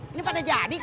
ini pada jadi kak